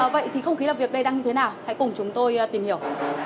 vậy thì không khí làm việc đây đang như thế nào hãy cùng chúng tôi tìm hiểu